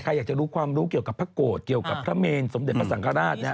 ใครอยากจะรู้ความรู้เกี่ยวกับพระโกรธเกี่ยวกับพระเมนสมเด็จพระสังฆราชนะฮะ